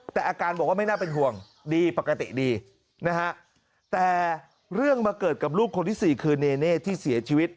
แต่อาการบอกว่าไม่น่าเป็นห่วงดีปกติดีนะฮะแต่เรื่องมาเกิดกับลูกคนที่สี่คือเนเน่ที่เสียชีวิต